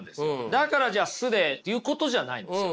だからじゃあ素でっていうことじゃないんですよね。